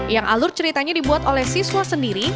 yang alur ceritanya dibuat oleh siswa sendiri